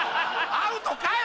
アウトかい！